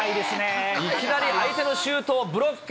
いきなり相手のシュートをブロック。